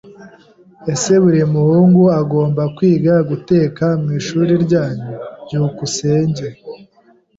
Ese buri muhungu agomba kwiga guteka mwishuri ryanyu? byukusenge